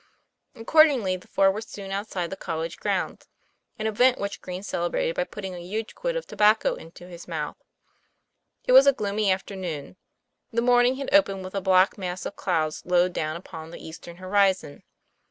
Accordingly the four were soon outside the college grounds, an event which Green celebrated by put ting a huge quid of tobacco into his mouth. It was a gloomy afternoon. The morning had opened with a black mass of clouds low down upon the eastern horizon.